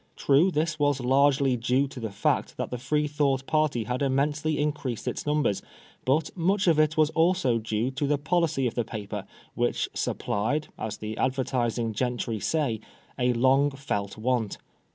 True, this was largely due to the fact that the Freethought party had immensely increased in numbers ; but much of it was also due to the policy of the paper, which supplied, as the advertising gentry say, "a long felt want."